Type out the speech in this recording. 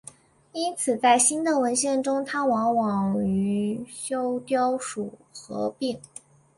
因此在新的文献中它往往与隼雕属合并。